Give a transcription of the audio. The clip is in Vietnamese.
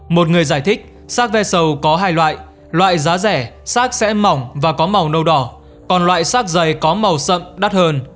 một người giải thích xác vẹt sầu có hai loại loại giá rẻ xác sẽ mỏng và có màu nâu đỏ còn loại xác dày có màu sậm đắt hơn